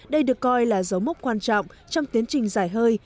đây được coi là dấu mốc quan trọng trong tiến trình giải hơi